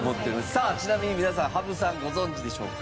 さあちなみに皆さん羽生さんご存じでしょうか？